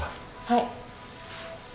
はい。